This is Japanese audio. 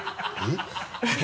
えっ？